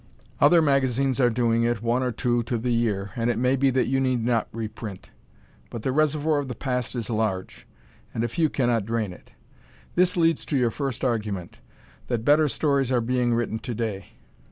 Other magazines are doing it, one or two to the year, and it may be that you need not reprint; but the reservoir of the past is large, and a few cannot drain it. This leads to your first argument, that better stories are being written to day.